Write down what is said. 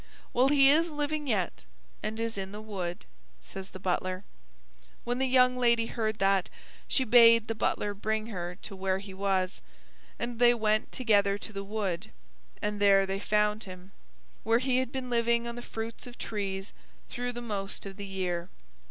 "Well he is living yet, and is in the wood," says the butler. When the young lady heard that, she bade the butler bring her to where he was, and they went together to the wood, and there they found him, where he had been living on the fruits of trees through the most of the year.